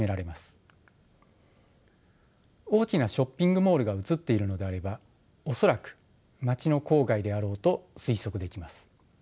大きなショッピングモールが写っているのであれば恐らく街の郊外であろうと推測できます。